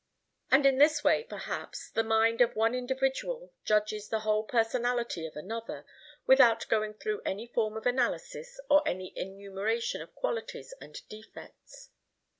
And in this way, perhaps, the mind of one individual judges the whole personality of another, without going through any form of analysis or any enumeration of qualities and defects.